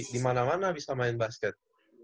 dimana mana bisa main basket